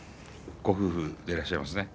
ご夫婦でいらっしゃいますね。